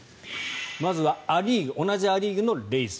まずはア・リーグ同じア・リーグのレイズ。